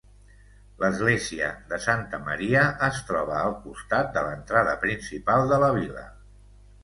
L'església de Santa Maria es troba al costat de l'entrada principal de la vila.